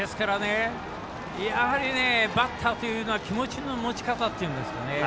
やはりバッターというのは気持ちの持ち方というんですかね